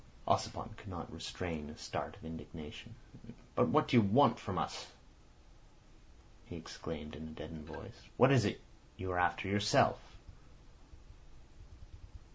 Ossipon could not restrain a start of indignation. "But what do you want from us?" he exclaimed in a deadened voice. "What is it you are after yourself?"